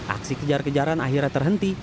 aksi kejar kejaran akhirnya terhenti